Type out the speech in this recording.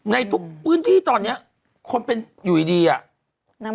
ในทุกพื้นที่ตอนนี้คนเป็นอยู่ดีอ่ะ